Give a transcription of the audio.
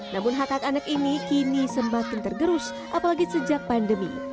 namun hak hak anak ini kini semakin tergerus apalagi sejak pandemi